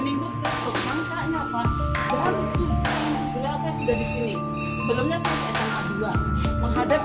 minggu tertutup makanya pak dan sudah disini sebelumnya menghadap